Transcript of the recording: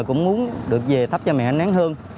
cũng muốn được về thắp cho mẹ nén hơn